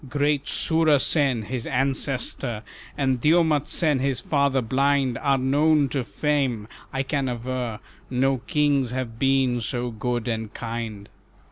Great Soorasen, his ancestor, And Dyoumatsen his father blind Are known to fame: I can aver No kings have been so good and kind."